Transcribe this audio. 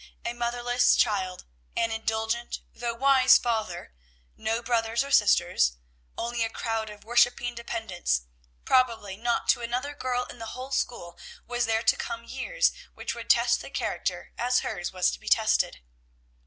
A motherless child, an indulgent, though wise father, no brothers or sisters, only a crowd of worshipping dependents; probably not to another girl in the whole school was there to come years which would test the character as hers was to be tested.